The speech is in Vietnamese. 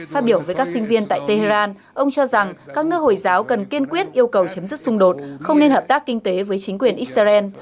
phát biểu với các sinh viên tại tehran ông cho rằng các nước hồi giáo cần kiên quyết yêu cầu chấm dứt xung đột không nên hợp tác kinh tế với chính quyền israel